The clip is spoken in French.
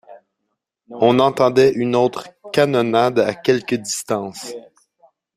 On entendait une autre canonnade à quelque distance.